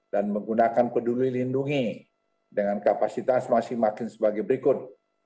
dan menggunakan peduli lindungi dengan kapasitas masih makin sebagai berikut